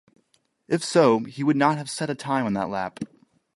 If so, he would not have set a time on that lap.